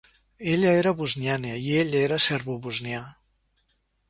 Ella era bosniana, i ell era serbobosnià.